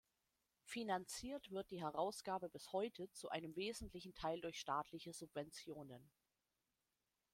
Finanziert wird die Herausgabe bis heute zu einem wesentlichen Teil durch staatliche Subventionen.